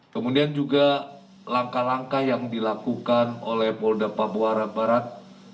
kemudian juga langkah langkah yang dilakukan oleh polda papua barat